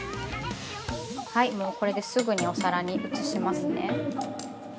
はい、もうこれですぐにおさらにうつしますね。